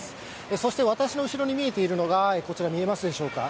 そして私の後ろに見えているのが、こちら見えますでしょうか。